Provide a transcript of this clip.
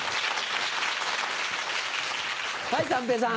はい三平さん。